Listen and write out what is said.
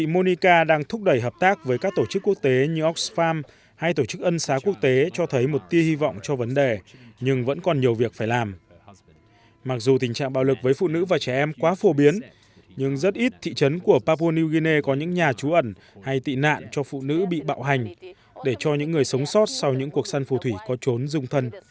mặc dù tình trạng bạo lực với phụ nữ và trẻ em quá phổ biến nhưng rất ít thị trấn của papua new guinea có những nhà trú ẩn hay tị nạn cho phụ nữ bị bạo hành để cho những người sống sót sau những cuộc săn phù thủy có trốn rung thân